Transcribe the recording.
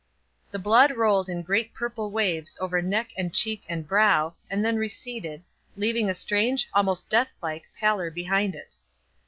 The blood rolled in great purple waves over neck and cheek and brow, and then receded, leaving a strange, almost death like, pallor behind it.